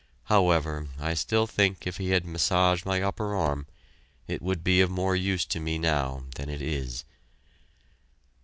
However, I still think if he had massaged my upper arm, it would be of more use to me now than it is.